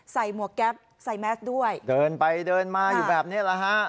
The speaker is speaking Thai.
หมวกแก๊ปใส่แมสด้วยเดินไปเดินมาอยู่แบบนี้แหละฮะ